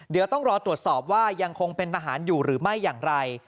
เดี๋ยวต้องรอตรวจสอบว่ายังคงเป็นทหารอยู่หรือไม่อย่างไร